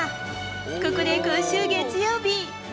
ここで今週月曜日。